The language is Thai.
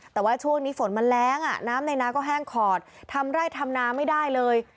แต่ว่าช่วงนี้ฝนมันแรงอ่ะน้ำในนาก็แห้งขอดทำไร่ทำนาไม่ได้เลย